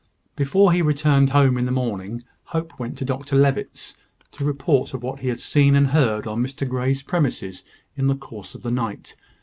Before he returned home in the morning, Hope went to Dr Levitt's, to report of what he had seen and heard on Mr Grey's premises in the course of the night.